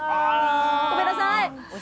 ごめんなさい！